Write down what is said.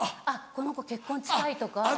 あっこの子結婚近いとか。